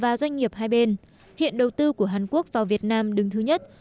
và doanh nghiệp hai bên hiện đầu tư của hàn quốc vào việt nam đứng thứ nhất